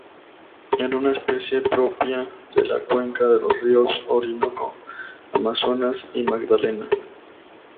Es una especie propia de la cuenca de los ríos Orinoco, Amazonas y Magdalena.